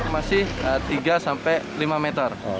masih tiga sampai lima meter